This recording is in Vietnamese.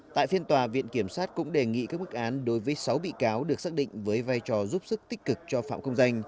tại phiên tòa viện kiểm sát cũng đề nghị các bức án đối với sáu bị cáo được xác định với vai trò giúp sức tích cực cho phạm công danh